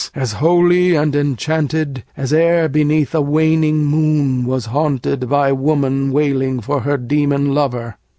as holy and enchantedAs e'er beneath a waning moon was hauntedBy woman wailing for her demon lover!